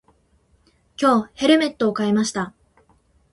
今日、ヘルメットを買いました。